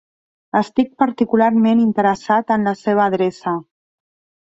Estic particularment interessat en la seva adreça.